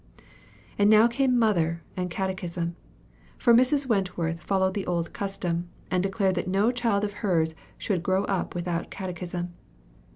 And now came mother and catechism; for Mrs. Wentworth followed the old custom, and declared that no child of hers should grow up without catechism.